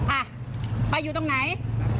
อ่ะไปอยู่ตรงไหน